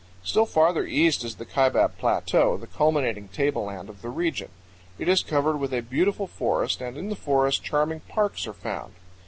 Still farther east is the Kaibab Plateau, the culminating table land of the region. It is covered with a beautiful forest, and in the forest charming parks are found.